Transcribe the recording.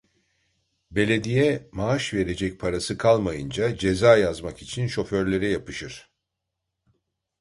Belediye, maaş verecek parası kalmayınca, ceza yazmak için şoförlere yapışır…